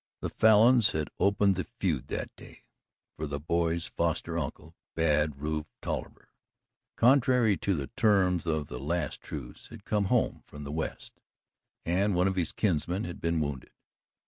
The Falins had opened the feud that day, for the boy's foster uncle, Bad Rufe Tolliver, contrary to the terms of the last truce, had come home from the West, and one of his kinsmen had been wounded.